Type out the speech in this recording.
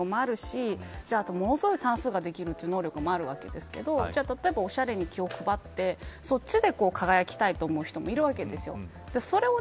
スポーツの能力もあるしものすごく、算数ができる能力もあるわけですが例えば、おしゃれに気を配ってそっちで輝きたい人もいるわけです。